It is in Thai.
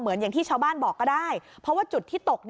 อย่างที่ชาวบ้านบอกก็ได้เพราะว่าจุดที่ตก